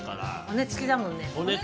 骨付きだもんね。